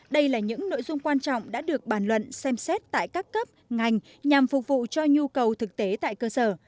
đây là những nội dung quan trọng đã được bàn luận xem xét tại các cấp ngành nhằm phục vụ cho nhu cầu thực tế tại cơ sở